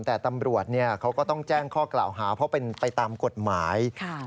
แต่ตำรวจเขาก็ต้องแจ้งข้อกล่าวหาเพราะเป็นไปตามกฎหมาย